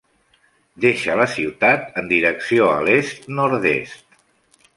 Deixa la ciutat en direcció a l'est nord-est.